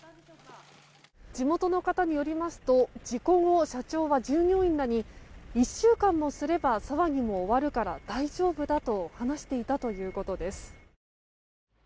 地元の方によりますと事故後、社長は従業員らに１週間もすれば騒ぎも終わるから大丈夫だと話していたということです。